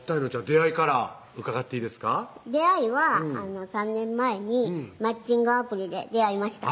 出会いは３年前にマッチングアプリで出会いました